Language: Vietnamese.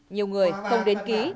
nhiều người không đến ký